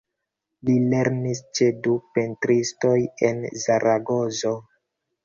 Li lernis ĉe du pentristoj en Zaragozo.